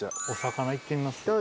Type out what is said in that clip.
お魚いってみます？